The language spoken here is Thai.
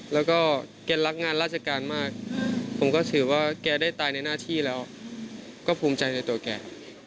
แล้วก็แกรักงานราชการมากผมก็ถือว่าแกได้ตายในหน้าที่แล้วก็ภูมิใจในตัวแกครับ